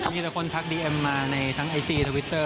มีแต่คนทักดีเอ็มมาในทั้งไอจีทวิตเตอร์